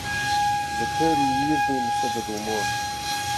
zikir û wîrdên xwe didomand